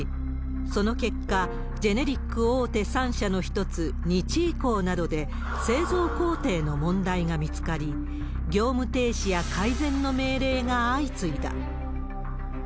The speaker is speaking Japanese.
その結果、ジェネリック大手３社の１つ、日医工などで、製造工程の問題が見つかり、業務停止や改善の命令が相次いだ。